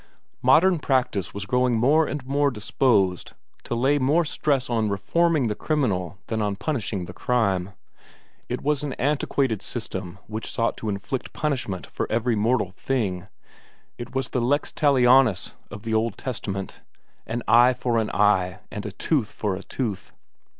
Modern practice was growing more and more disposed to lay more stress on reforming the criminal than on punishing the crime. It was an antiquated system which sought to inflict punishment for every mortal thing it was the lex talionis of the Old Testament, an eye for an eye and a tooth for a tooth.